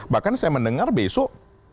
bahkan saya mendengar besok